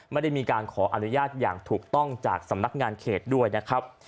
ไม่ได้มีการขออนุญาตอย่างถูกต้องจากสำนักงานเขตด้วยนะครับ